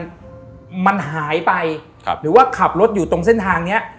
เวลามันหายไปหรือว่าขับรถอยู่ตรงเส้นทางเนี่ย